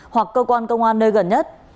hoặc cơ quan công an nơi gần nhất